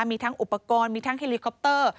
มีทั้งอุปกรณ์มีทั้งเฮลิคอปเตอร์